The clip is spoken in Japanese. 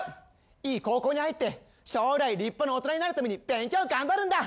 いい高校に入って将来立派な大人になるために勉強頑張るんだ！